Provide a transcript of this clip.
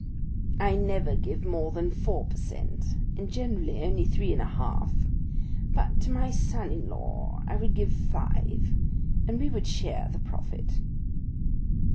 "I never give more than four per cent, and generally only three and a half; but to my son in law I would give five, and we would share the profits."